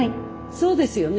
そうですよね？